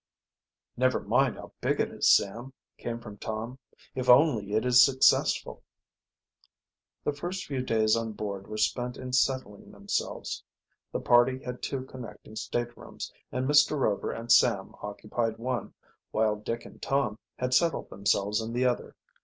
"Never mind how big it is, Sam," came from Tom, "if only it is successful." The first few days on board were spent in settling themselves. The party had two connecting staterooms, and Mr. Rover and Sam occupied one, while Dick and Tom had settled themselves in the other.